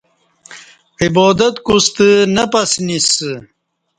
عبادت کوستہ نہ پسنیسہ